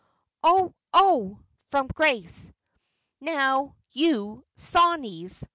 "Oh! oh!" from Grace. "Now, you sawneys!"